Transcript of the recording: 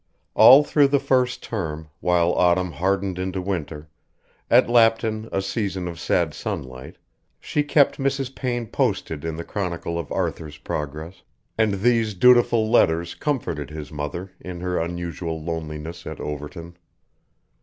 All through the first term, while autumn hardened into winter, at Lapton a season of sad sunlight, she kept Mrs. Payne posted in the chronicle of Arthur's progress, and these dutiful letters comforted his mother in her unusual loneliness at Overton.